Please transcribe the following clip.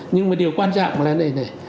nhưng mà điều quan trọng là này này